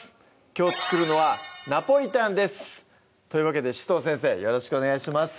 きょう作るのは「ナポリタン」ですというわけで紫藤先生よろしくお願いします